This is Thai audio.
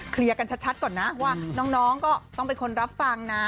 กันชัดก่อนนะว่าน้องก็ต้องเป็นคนรับฟังนะ